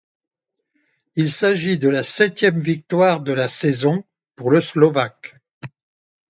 Il s'agit de la septième victoire de la saison pour le Slovaque.